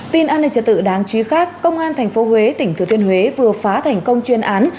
tin an ninh trật tự đáng chú ý khác công an tp huế tỉnh thừa thiên huế vừa phá thành công chuyên án